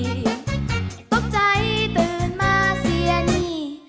ตกใจตื่นมาเสียนี่